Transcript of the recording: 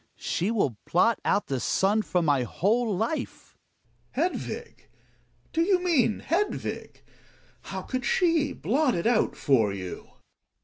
She will blot out the sun from my whole life. Gregers. Hedvig ! Do you mean Hedvig ? How could she blot it out for you